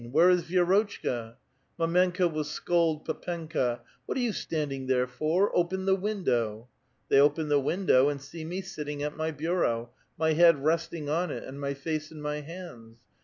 Where is Vi^rotchka?' Mdmenka will scold pd penka: ' What are you standing there for? Open the win dow.' They open the window, and see me sitting at my bureau, my head resting on it, and my face in my hands.